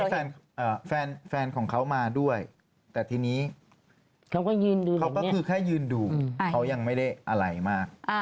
เท่าที่แฟนของเขามาด้วยแต่ทีนี้เขาก็คือแค่ยืนดูเขายังไม่ได้อะไรมาก